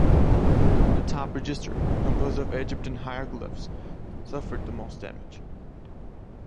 The top register, composed of Egyptian hieroglyphs, suffered the most damage.